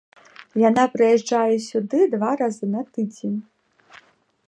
Яна прыязджае сюды два разы на тыдзень.